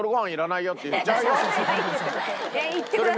いや言ってください。